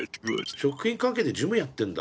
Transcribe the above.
食品関係で事務やってんだ。